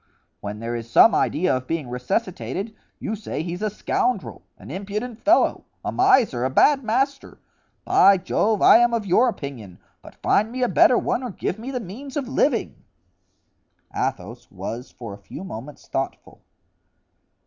when there is some idea of being resuscitated, you say he's a scoundrel, an impudent fellow, a miser, a bad master! By Jove! I am of your opinion, but find me a better one or give me the means of living." Athos was for a few moments thoughtful.